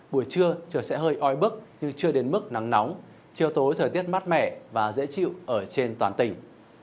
buổi trưa trời sẽ hơi oi bức nhưng chưa đến mức nắng nóng chiều tối thời tiết mát mẻ và dễ chịu ở trên toàn tỉnh